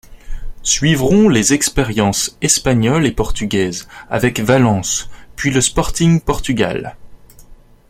Suivront les expériences espagnole et portugaise avec Valence puis le Sporting Portugal.